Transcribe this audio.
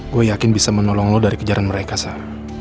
gue yakin bisa menolong lo dari kejaran mereka sah